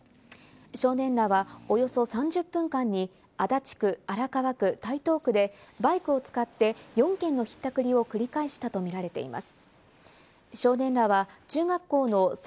少年らはおよそ３０分間に、足立区、荒川区、台東区でバイクを使って４件のひったくりを繰り返したとみられています。